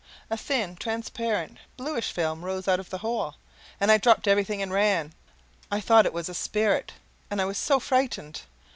A thin, transparent bluish film rose out of the hole, and I dropped everything and ran! I thought it was a spirit, and I WAS so frightened!